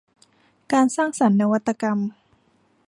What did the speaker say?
การสร้างสรรค์นวัตกรรม